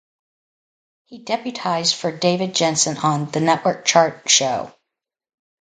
He deputised for David Jensen on "The Network Chart Show".